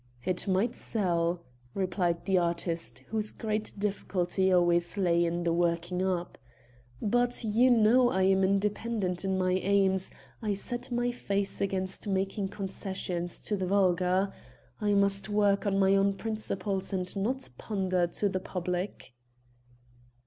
"It might sell," replied the artist whose great difficulty always lay in the 'working up,' "but you know I am independent in my aims, I set my face against making concessions to the vulgar; I must work on my own principles and not to pander to the public."